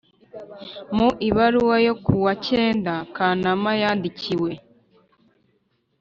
mu ibaruwa yo ku wa cyenda kanama yandikiwe